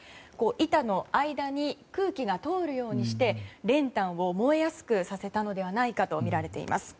板の間に空気が通るようにして練炭を燃えやすくさせたのではないかとみられています。